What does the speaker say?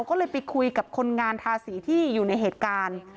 ก็เลยไปคุยกับคนงานทาสีที่อยู่ในเหตุการณ์